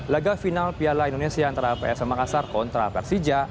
laga final piala indonesia antara psm makassar kontra persija